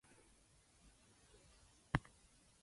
He was not too sure about the machine's purpose.